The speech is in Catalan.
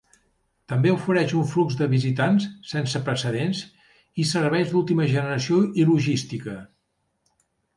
També ofereix un flux de visitants sense precedents i serveis d'última generació i logística.